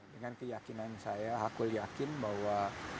dengan keyakinan saya aku yakin bahwa